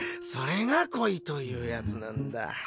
それが恋というやつなんだ。